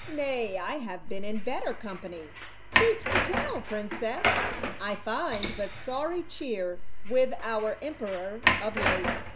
" Nay, I have been in better com pany. Truth to tell, princess, I find but sorry cheer with our emperor of late.